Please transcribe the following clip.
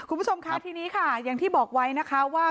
คุณผู้ชมค่ะทีนี้ค่ะอย่างที่บอกไว้นะคะว่า